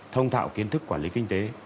thông thạo kiến thức quản lý kinh tế